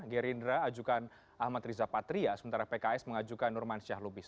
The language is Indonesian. gerindra ajukan ahmad riza patria sementara pks mengajukan nurman syahlubis